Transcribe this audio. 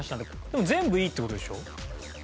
でも全部いいって事でしょ？